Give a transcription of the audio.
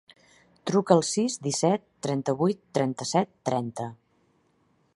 Truca al sis, disset, trenta-vuit, trenta-set, trenta.